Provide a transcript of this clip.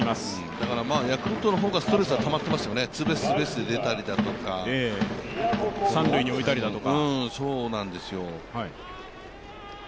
だからヤクルトの方がストレスがたまっていますよね、ツーベース、ツーベースで出たりだとか、三塁に置いたりだとか。